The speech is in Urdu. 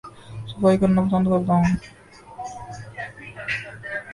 صفائی کرنا پسند کرتا ہوں